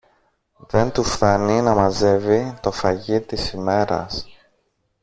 Δεν του φθάνει να μαζεύει το φαγί της ημέρας